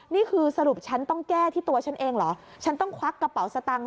นี่คือสรุปฉันต้องแก้ที่ตัวฉันเองเหรอฉันต้องควักกระเป๋าสตังค์